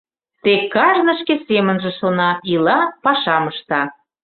Тек кажне шке семынже шона, ила, пашам ышта.